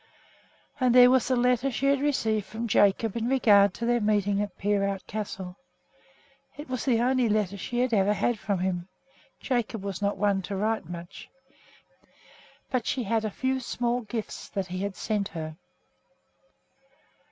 And there was the letter she had received from Jacob in regard to their meeting at Peerout Castle. It was the only letter she had ever had from him, Jacob was not one to write much; but she had a few small gifts that he had sent her.